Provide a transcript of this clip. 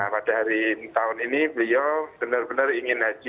pada hari tahun ini beliau benar benar ingin haji